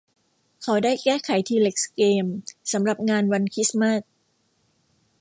เขาได้แก้ไขทีเร็กซ์เกมสำหรับงานวันคริสต์มาส